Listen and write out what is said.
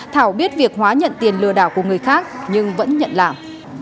thảo biết việc hóa nhận tiền lừa đảo của người khác nhưng vẫn nhận làm